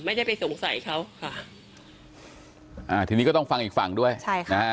ไม่ได้ไปสงสัยเขาค่ะอ่าทีนี้ก็ต้องฟังอีกฝั่งด้วยใช่ค่ะนะฮะ